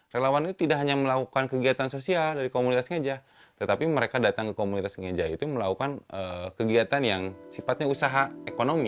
relawan itu tidak hanya melakukan kegiatan sosial dari komunitas ngeja tetapi mereka datang ke komunitas ngeja itu melakukan kegiatan yang sifatnya usaha ekonomi